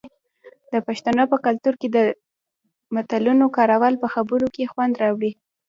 د پښتنو په کلتور کې د متلونو کارول په خبرو کې خوند راوړي.